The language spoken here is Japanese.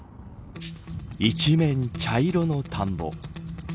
一面、茶色の田んぼ。